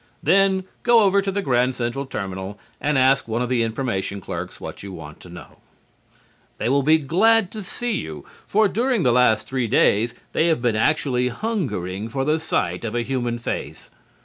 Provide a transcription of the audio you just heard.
Then go over to the Grand Central Terminal and ask one of the information clerks what you want to know. [Illustration: "Listen, Ed! This is how it goes!"] They will be glad to see you, for during the last three days they have been actually hungering for the sight of a human face.